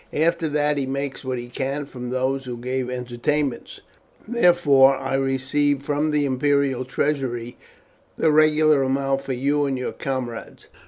After that he makes what he can from those who give entertainments. Therefore I received from the imperial treasury the regular amount for you and your comrades.